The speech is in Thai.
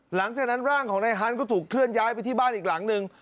หลังจากนั้นร่างของนายฮันต์ก็ถูกเคลื่อนย้ายไปที่บ้านอีกหลังหนึ่ง